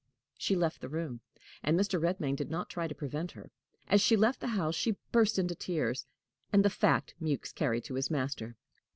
She left the room, and Mr. Redmain did not try to prevent her. As she left the house she burst into tears; and the fact Mewks carried to his master.